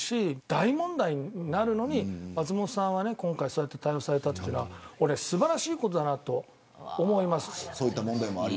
大問題になるのに松本さんは今回対応されたのは素晴らしいことだなと思います。